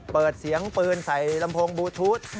เปิดเสียงปืนใส่ลำโพงบลูทูธ